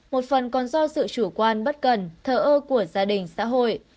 một phần còn do sự chủ quan bất cần thờ ơ của gia đình xã hội